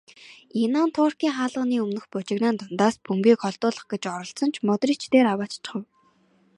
Инан Туркийн хаалганы өмнөх бужигнаан дундаас бөмбөгийг холдуулах гэж оролдсон ч Модрич дээр авааччихав.